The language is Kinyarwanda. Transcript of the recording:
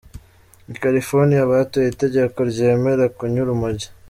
I California batoye itegeko ryemera kunywa urumogi.